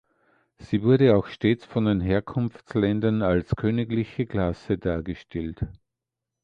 Sie wurde auch stets von den Herkunftsländern als königliche Klasse dargestellt.